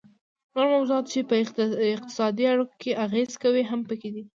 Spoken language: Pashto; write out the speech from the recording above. نور موضوعات چې په اقتصادي اړیکو اغیزه کوي هم پکې دي